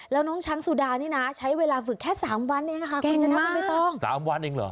แล้วน้องช้างสุดานี่นะใช้เวลาฝึกแค่สามวันเองค่ะคุณชนะคุณไม่ต้องสามวันเองเหรอ